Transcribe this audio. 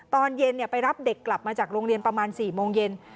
ตอนเย็นไปรับเด็กกลับมาจากโรงเรียนประมาณ๔โมงเย็น